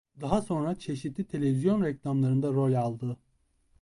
Daha sonra çeşitli televizyon reklamlarında rol aldı.